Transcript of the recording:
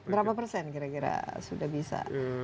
berapa persen kira kira sudah bisa